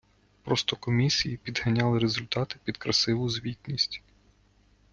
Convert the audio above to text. Просто комісії підганяли результати під красиву звітність.